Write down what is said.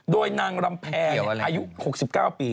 โดยนางรำแพงอายุ๖๙ปี